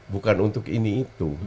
bukan untuk ini itu